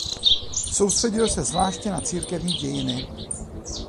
Soustředil se zvláště na církevní dějiny.